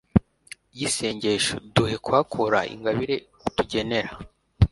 y'isengesho, duhe kuhakura ingabire utugenera